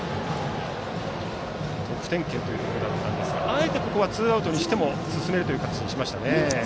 得点圏というところでしたがあえてツーアウトにしても進めるという形にしましたね。